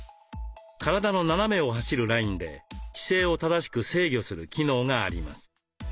体の斜めを走るラインで姿勢を正しく制御する機能があります。